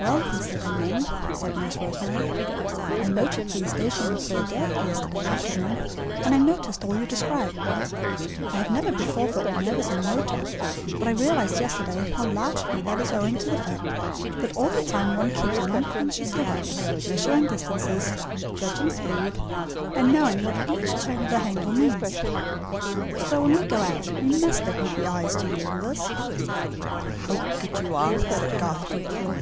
"Well, Mr. Dalmain," said Nurse Rosemary, "I motored to the station with Sir Deryck yesterday afternoon, and I noticed all you describe. I have never before felt nervous in a motor, but I realised yesterday how largely that is owing to the fact that all the time one keeps an unconscious look out; measuring distances, judging speed, and knowing what each turn of the handle means. So when we go out you must let me be eyes to you in this." "How good you are!" said Garth, gratefully.